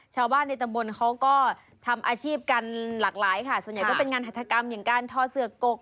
ชาวบ้านในตำบลเขาก็ทำอาชีพกันหลากหลายค่ะส่วนใหญ่ก็เป็นงานหัฐกรรมอย่างการทอเสือกก